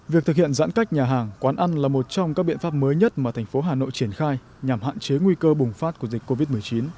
việc thực hiện giãn cách nhà hàng quán ăn là một trong các biện pháp mới nhất mà thành phố hà nội triển khai nhằm hạn chế nguy cơ bùng phát của dịch covid một mươi chín